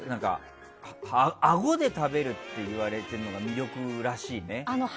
あごで食べるって言われてるのが魅力らしいね。